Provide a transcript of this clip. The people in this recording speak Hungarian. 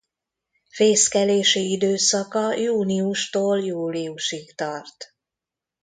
Fészkelési időszaka júniustól júliusig tart.